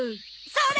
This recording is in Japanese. それ！